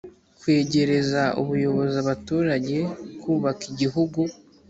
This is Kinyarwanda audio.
kwegeraza ubuyobozi abaturage kubaka igihugu